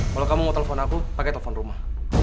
kalau kamu mau telepon aku pakai telepon rumah